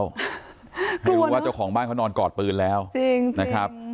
หรือว่าเจ้าของบ้านเค้านอนกอดปืนแล้วจริงจริง